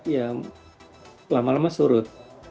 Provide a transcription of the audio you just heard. ya lama lama surut